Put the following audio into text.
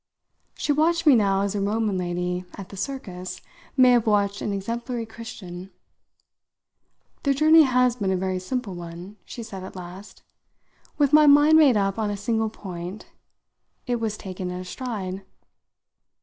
She watched me now as a Roman lady at the circus may have watched an exemplary Christian. "The journey has been a very simple one," she said at last. "With my mind made up on a single point, it was taken at a stride."